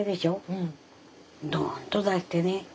ドーンと出してね